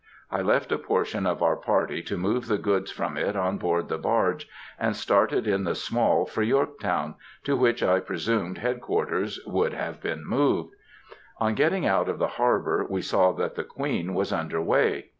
I left a portion of our party to move the goods from it on board the barge, and started in the Small for Yorktown, to which I presumed Head quarters would have been moved. On getting out of the harbor, we saw that the Queen was under way.